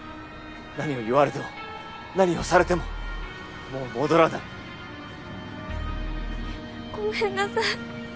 何を言われても何をされてももう戻らないごめんなさい。